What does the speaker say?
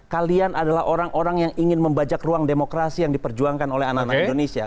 kalian adalah orang orang yang ingin membajak ruang demokrasi yang diperjuangkan oleh anak anak indonesia